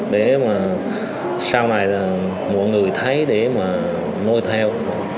để mà sau này là mọi người thấy để mà nuôi theo